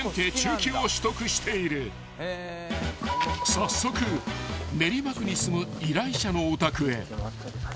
［早速練馬区に住む依頼者のお宅へ］